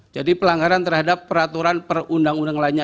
jadi pelanggaran terhadap peraturan perundang undang lainnya